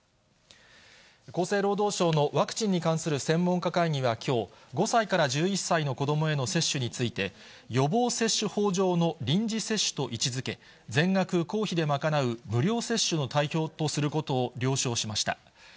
厚生労働省のワクチンに関する専門家会議はきょう、５歳から１１歳の子どもへの接種について、予防接種法上の臨時接種と位置づけ、全額公費で賄う無料接種の対象とすることを了承しました。